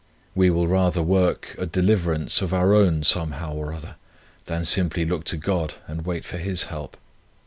"We will rather work a deliverance of our own somehow or other, than simply look to God and wait for His help.